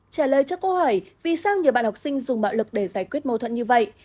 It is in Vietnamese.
trả lời cho câu hỏi vì sao nhiều bạn học sinh dùng bạo lực để giải quyết mâu thuẫn như vậy